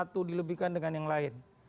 satu dilebihkan dengan yang lain